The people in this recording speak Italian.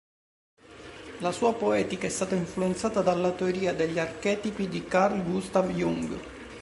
La sua poetica è stata influenzata dalla teoria degli archetipi di Carl Gustav Jung.